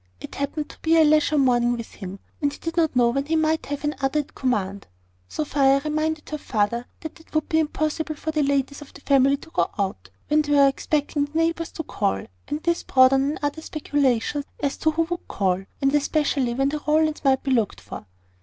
It happened to be a leisure morning with him, and he did not know when he might have another at command. Sophia reminded her father that it would be impossible for the ladies of the family to go out, when they were expecting the neighbours to call: and this brought on another speculation as to who would call, and especially when the Rowlands might be looked for.